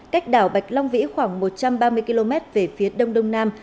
cách đảo bạch long vĩ khoảng một trăm ba mươi km về phía đông đông nam